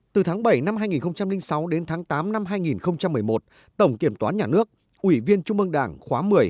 từ tháng bảy năm hai nghìn sáu đến tháng tám năm hai nghìn một mươi một tổng kiểm toán nhà nước ủy viên trung ương đảng khóa một mươi